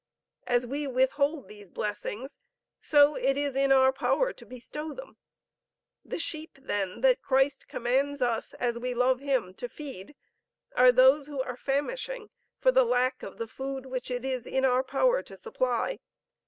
As we withhold these blessings, so is it in our power to bestow them. The sheep then that Christ commands us, as we love Him, to feed, are those who are famishing for the lack of the food which it is in our power to supply.